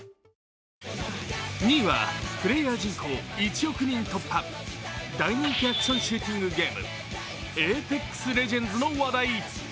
２位はプレーヤー人口１億人突破、大人気アクションシューティングゲーム「ＡｐｅｘＬｅｇｅｎｄｓ」の話題。